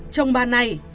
chồng bà này